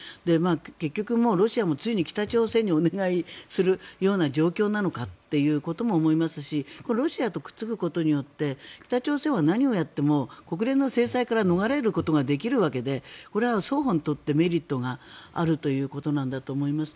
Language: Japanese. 結局、ロシアもついに北朝鮮にお願いするような状況なのかということも思いますしロシアとくっつくことによって北朝鮮は何をやっても国連の制裁から逃れることができるわけでこれは双方にとってメリットがあるということなんだと思います。